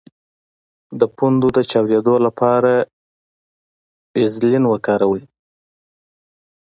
د پوندو د چاودیدو لپاره ویزلین وکاروئ